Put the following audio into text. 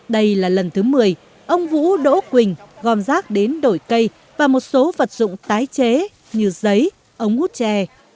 đây là lần thứ một mươi ông vũ đỗ quỳnh gom rác đến đổi cây và một số vật dụng tái chế như giấy ống hút tre